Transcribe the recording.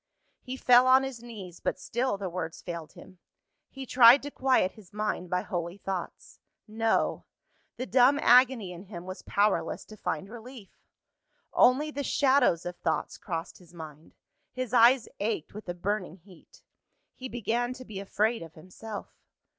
He fell on his knees; but still the words failed him. He tried to quiet his mind by holy thoughts. No! The dumb agony in him was powerless to find relief. Only the shadows of thoughts crossed his mind; his eyes ached with a burning heat. He began to be afraid of himself.